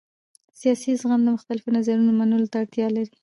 سیاسي زغم د مختلفو نظرونو منلو ته اړتیا لري